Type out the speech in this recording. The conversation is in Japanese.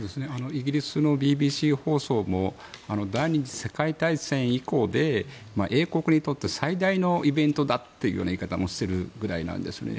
イギリスのＢＢＣ放送も第２次世界大戦以降で英国にとって最大のイベントだっていう言い方もしているくらいなんですよね。